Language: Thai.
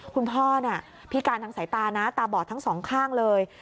คุณพ่อพิการทางสายตานะตาบอดทั้งสองข้างเลย